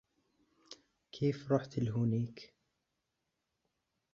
كيف رحت لهونيك ؟